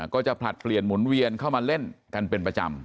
ก็จะผลัดเปลี่ยนหมุนเวียนเข้ามาเล่นกันเป็นประจำ